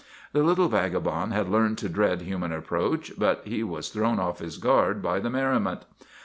The little vaga bond had learned to dread human approach, but he was thrown off his guard by the merriment.